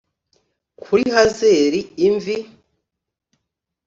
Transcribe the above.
kuri hazel imvi